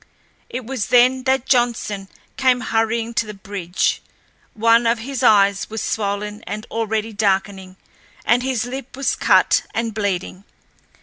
It was then that Johnson came hurrying to the bridge. One of his eyes was swollen and already darkening, and his lip was cut and bleeding.